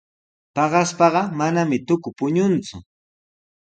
Paqaspaqa manami tuku puñunku.